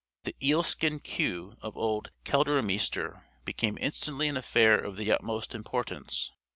The eelskin queue of old Keldermeester became instantly an affair of the utmost importance.